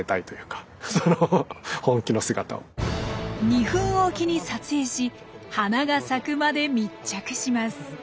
２分おきに撮影し花が咲くまで密着します。